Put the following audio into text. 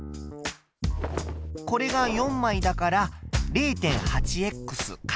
これが４枚だから０．８×４。